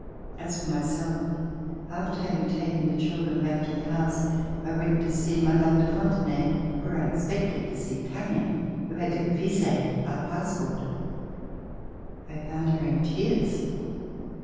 As for myself, after having taken the children back to the house, I went to see Mme. de Fontenay, where I expected to see Talllen who had to vise our passport. I found her in tears.